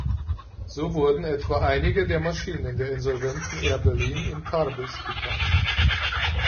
So wurden etwa einige der Maschinen der insolventen Air Berlin in Tarbes geparkt.